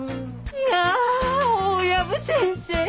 いや大藪先生！